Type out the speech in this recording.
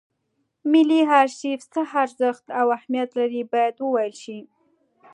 ملي ارشیف څه ارزښت او اهمیت لري باید وویل شي.